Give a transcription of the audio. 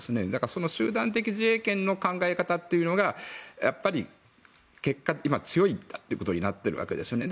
その集団的自衛権の考え方というのがやっぱり、結果強いということになっているわけですよね。